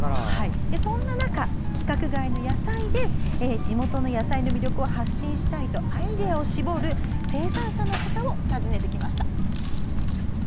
そんな中、規格外の野菜で地元の野菜の魅力を発信したいとアイデアを絞る生産者の方を訪ねてきました。